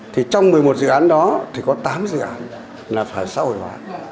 thì trong một mươi một dự án đó thì có tám dự án là phải xã hội hóa